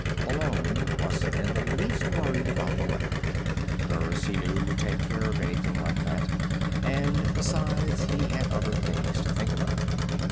Malone wasn't in the least worried about the letter. Burris, he knew, would take care of anything like that. And, besides, he had other things to think about.